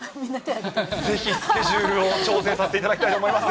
ぜひスケジュールを調整させていただきたいと思います。